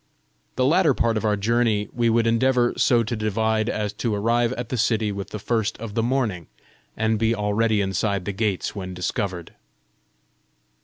The latter part of our journey we would endeavour so to divide as to arrive at the city with the first of the morning, and be already inside the gates when discovered.